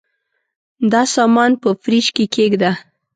دا سامان په فریج کي کښېږده.